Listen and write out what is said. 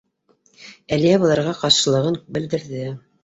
— Әлиә быларға ҡаршылығын белдерҙе.